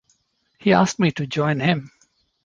He asked me to join him.